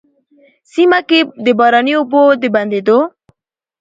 سيمه کي د باراني اوبو د بندېدو،